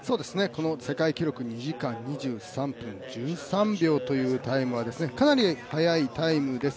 世界記録２時間２３分１３秒というタイムはかなり速いタイムです。